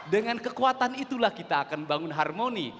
dengan kekuatan itulah kita akan bangun harmoni